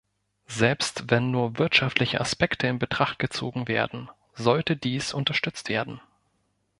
Selbst wenn nur wirtschaftliche Aspekte in Betracht gezogen werden, sollte dies unterstützt werden.